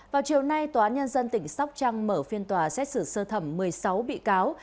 vào chiều nay tòa án nhân dân tỉnh sóc trăng mở phiên tòa xét xử sơ thẩm một mươi sáu bị cáo